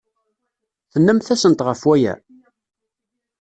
Tennamt-asent ɣef waya?